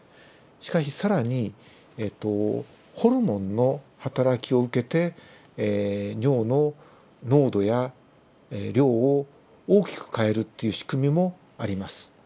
しかし更にホルモンのはたらきを受けて尿の濃度や量を大きく変えるっていう仕組みもあります。